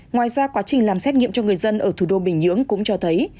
ngoài ra quá trình làm xét nghiệm cho người dân ở thủ đô bình nhưỡng cũng cho thấy